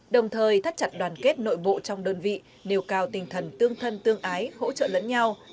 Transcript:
đồng thời thắt chặt đoàn kết nội bộ trong đơn vị nêu cao tinh thần tương thân tương ái hỗ trợ lẫn nhau